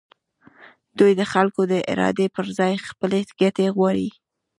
دوی د خلکو د ارادې پر ځای خپلې ګټې غواړي.